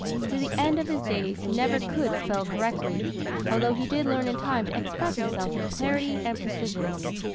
To the end of his days he never could spell correctly although he did learn in time to express himself with clarity and precision.